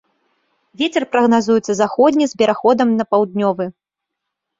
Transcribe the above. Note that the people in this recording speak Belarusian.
Вецер прагназуецца заходні з пераходам на паўднёвы.